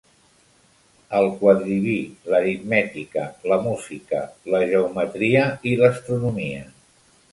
El quadrivi l'aritmètica, la música, la geometria i l'astronomia.